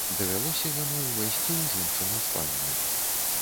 Давялося яму ўвайсці ў жончыну спальню.